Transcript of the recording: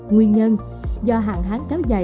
nguyên nhân do hàng hán cáo dài